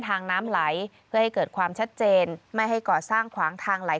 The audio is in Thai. ทรงมีลายพระราชกระแสรับสู่ภาคใต้